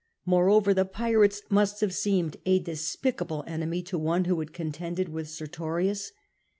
Moreover, the pirates must have seemed a despicable enemy to one who had contended with Sertorius.